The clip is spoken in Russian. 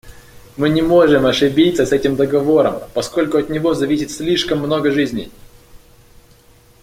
Мы не можем ошибиться с этим договором, поскольку от него зависит слишком много жизней.